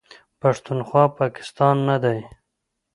پښتونخوا، پاکستان نه دی.